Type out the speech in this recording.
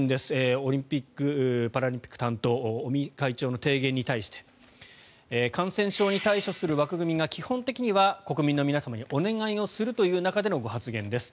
オリンピック・パラリンピック担当尾身会長の提言に対して感染症に対処する枠組みが基本的には国民の皆様にお願いするという中でのご発言です